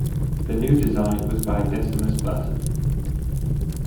The new design was by Decimus Burton.